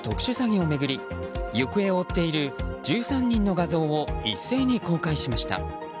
行方を追っている１３人の画像を一斉に公開しました。